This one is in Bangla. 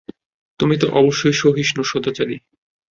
তুমি তো অবশ্যই সহিষ্ণু, সদাচারী।